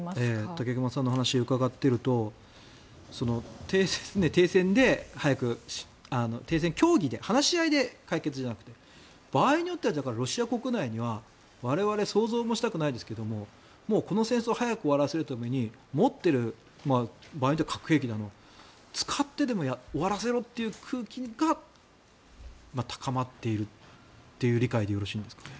武隈さんのお話を伺っていると停戦協議で、話し合いで解決じゃなくて場合によってはロシア国内には我々は想像もしたくないですがこの戦争を早く終わらせるために持っている核兵器などを使ってでも終わらせろっていう空気が高まっているっていう理解でよろしいんですか？